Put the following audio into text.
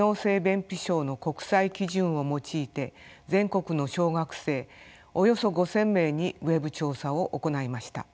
便秘症の国際基準を用いて全国の小学生およそ５，０００名にＷｅｂ調査を行いました。